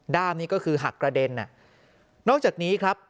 ้ามนี้ก็คือหักกระเด็นนอกจากนี้ครับ